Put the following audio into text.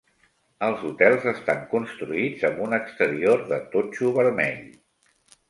Els hotels estan construïts amb un exterior de totxo vermell.